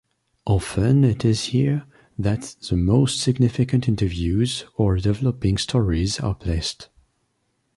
Often it is here that the most significant interviews or developing stories are placed.